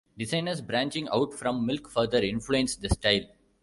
Designers branching out from Milk further influenced the style.